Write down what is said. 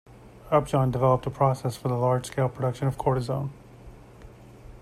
Upjohn developed a process for the large scale production of cortisone.